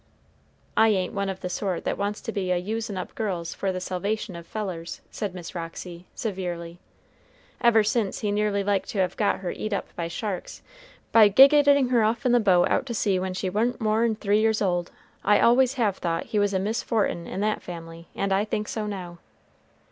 "I ain't one of the sort that wants to be a usin' up girls for the salvation of fellers," said Miss Roxy, severely. "Ever since he nearly like to have got her eat up by sharks, by giggiting her off in the boat out to sea when she wa'n't more'n three years old, I always have thought he was a misfortin' in that family, and I think so now."